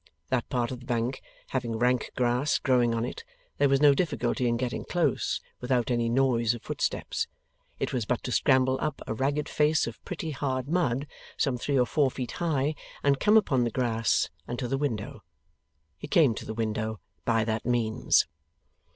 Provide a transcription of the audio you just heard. That part of the bank having rank grass growing on it, there was no difficulty in getting close, without any noise of footsteps: it was but to scramble up a ragged face of pretty hard mud some three or four feet high and come upon the grass and to the window. He came to the window by that means.